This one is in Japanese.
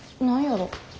何やろ？